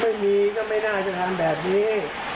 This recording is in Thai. ไม่มีก็ไม่น่าจะทำแบบนี้